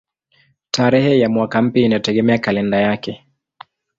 Tarehe ya mwaka mpya inategemea kalenda yake.